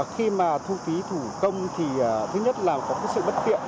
khi mà thu phí thủ công thì thứ nhất là có cái sự bất tiện